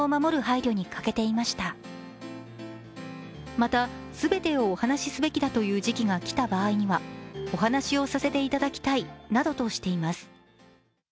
また、全てをお話すべきだという時期が来た場合にはお話をさせていただきたいなどとしています。